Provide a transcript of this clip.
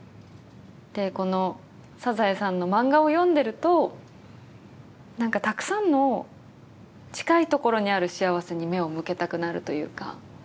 この『サザエさん』の漫画を読んでると何かたくさんの近いところにある幸せに目を向けたくなるというか。